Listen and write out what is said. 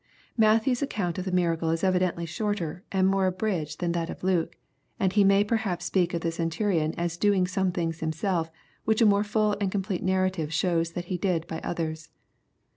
Matthew's account of the miracle is evidently shorter, and more abridged than that of Luke, and he may perhaps speak of the Centurion as doing some things himself which a more full and complete narrative shows that he did by others.